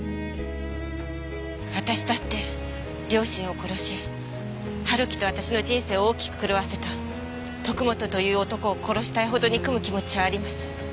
私だって両親を殺し春樹と私の人生を大きく狂わせた徳本という男を殺したいほど憎む気持ちはあります。